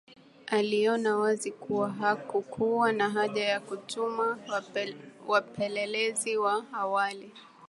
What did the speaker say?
Aliona wazi kuwa hakukuwa na haja ya kutuma wapelelezi wa awali